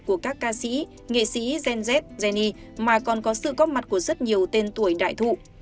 của các ca sĩ nghệ sĩ zen zed jenny mà còn có sự góp mặt của rất nhiều tên tuổi đại thụ